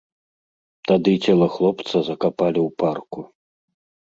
Тады цела хлопца закапалі ў парку.